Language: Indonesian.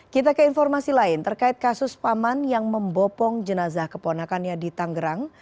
kita ke informasi lain terkait kasus paman yang membopong jenazah keponakannya di tanggerang